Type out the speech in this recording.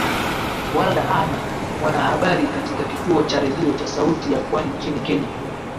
Warda Ahmed ni mwanahabari katika kituo cha redio cha Sauti ya Pwani nchini Kenya